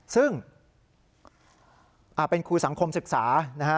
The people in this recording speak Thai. ซึ่งเป็นครูสังคมศึกษานะฮะ